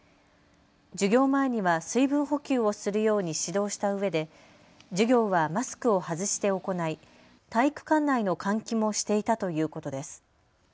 授業前には水分補給をするように指導したうえで授業はマスクを外して行い体育館内の換気もしていたということです。